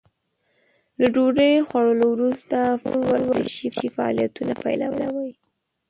له ډوډۍ خوړلو وروسته فورً ورزشي فعالیتونه مه پيلوئ.